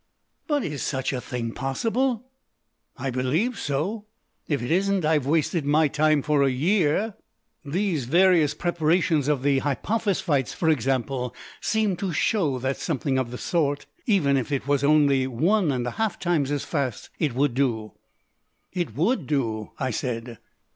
"But is such a thing possible?" "I believe so. If it isn't, I've wasted my time for a year. These various preparations of the hypophosphites, for example, seem to show that something of the sort... Even if it was only one and a half times as fast it would do." "It WOULD do," I said.